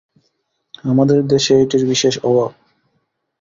আমাদের দেশে এইটির বিশেষ অভাব।